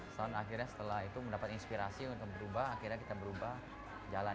setahun akhirnya setelah itu mendapat inspirasi untuk berubah akhirnya kita berubah jalan